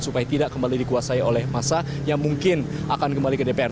supaya tidak kembali dikuasai oleh massa yang mungkin akan kembali ke dpr